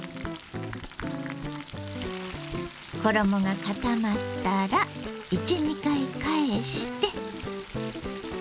衣が固まったら１２回返して。